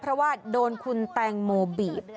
เพราะว่าโดนคุณแตงโมบีบ